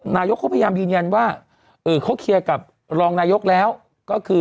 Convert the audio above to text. นายกเขาพยายามยืนยันว่าเขาเคลียร์กับรองนายกแล้วก็คือ